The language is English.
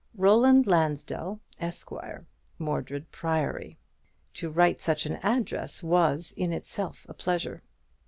Roland Lansdell, Esqre., Mordred Priory. To write such an address was in itself a pleasure.